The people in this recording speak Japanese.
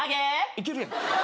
いけるやん。